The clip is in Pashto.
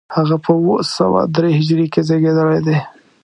هغه په اوه سوه درې هجري کې زېږېدلی دی.